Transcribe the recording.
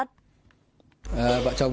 vợ chồng tôi đều đi làm bận cả ngày